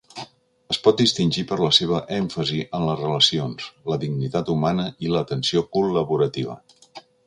Es pot distingir per la seva èmfasi en les relacions, la dignitat humana i l'atenció col·laborativa.